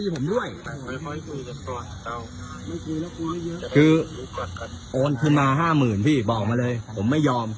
กูไม่เยอะคือโอนขึ้นมาห้าหมื่นพี่บอกมาเลยผมไม่ยอม